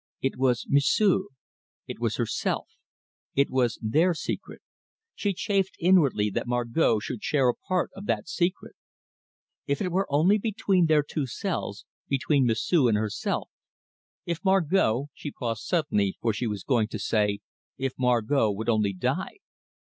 It was M'sieu', it was herself, it was their secret she chafed inwardly that Margot should share a part of that secret. If it were only between their two selves between M'sieu' and herself! If Margot she paused suddenly, for she was going to say, If Margot would only die!